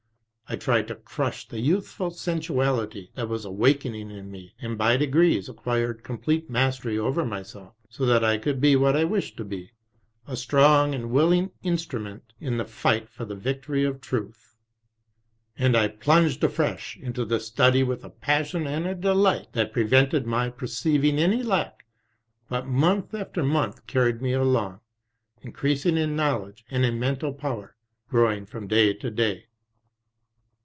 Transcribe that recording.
I tried to crush the youthful sensuality that was awakening in me, and by degrees acquired complete mastery over myself, so that I could be what I wished to be, a strong and willing instrument in the fight for the victory of Truth* And I plunged afresh into study with a passion and a delight that prevented my per ceiving any lack, but month after month carried me along, increasing in knowledge and in mental power, growing from day to day.